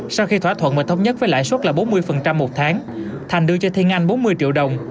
sau khi thỏa thuận và thống nhất với lãi suất là bốn mươi một tháng thành đưa cho thiên nganh bốn mươi triệu đồng